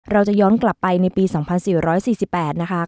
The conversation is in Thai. เราจะย้อนกลับไปในปี๒๔๔๘นะคะ